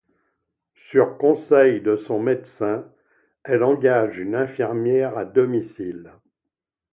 Sur conseil de son médecin elle engage une infirmière à domicile.